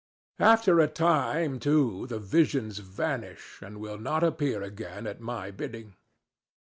After a time, too, the visions vanish, and will not appear again at my bidding.